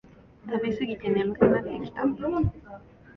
食べすぎて眠くなってきた